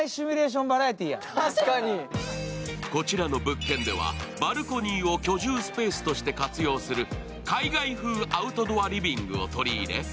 こちらの物件では、バルコニーを居住スペースとして活用する海外風アウトドアリビングを取り入れ